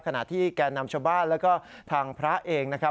ขณะที่แก่นำชาวบ้านแล้วก็ทางพระเองนะครับ